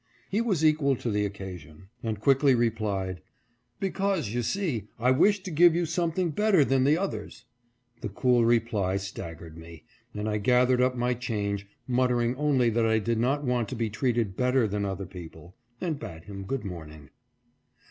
He was equal to the occasion, and quickly replied, " Be cause, you see, I wished to give you something better than the others." The cool reply staggered me, and I gath ered up my change, muttering only that I did not want to be treated better than other people, and bade him good morning.